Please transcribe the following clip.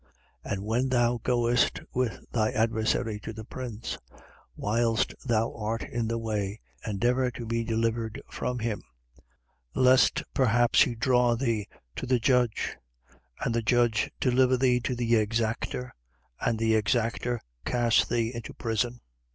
12:58. And when thou goest with thy adversary to the prince, whilst thou art in the way, endeavour to be delivered from him: lest perhaps he draw thee to he judge, and the judge deliver thee to the exacter, and the exacter cast thee into prison.